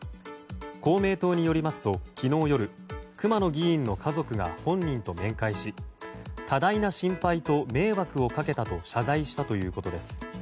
公明党によりますと昨日夜、熊野議員の家族が本人と面会し多大な心配と迷惑をかけたと謝罪したということです。